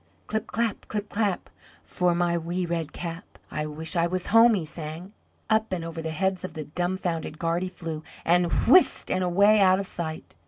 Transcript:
"Clip, clap, clip, clap, for my wee red cap, I wish I was home," he sang. Up and over the heads of the dumfounded guard he flew, and whist and away out of sight.